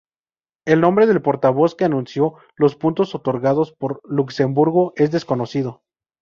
El nombre del portavoz que anunció los puntos otorgados por Luxemburgo es desconocido.